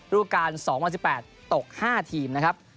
รูปการ๒๐๑๘ตก๕ทีมนะครับ